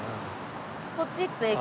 こっち行くと駅。